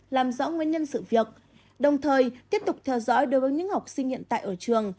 làm rõ nguyên nhân sự việc đồng thời tiếp tục theo dõi đối với những học sinh hiện tại ở trường